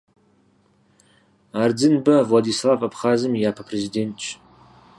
Ардзынбэ Владислав Абхъазым и япэ Президентщ.